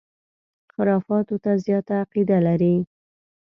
خُرافاتو ته زیاته عقیده لري.